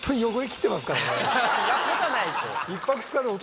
んなことはないでしょ。